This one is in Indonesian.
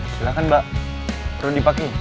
silahkan mbak coba dipaking